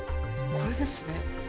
これですね。